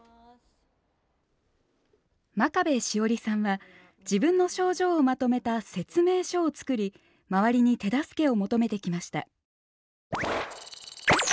真壁詩織さんは自分の症状をまとめた「説明書」を作り周りに手助けを求めてきました。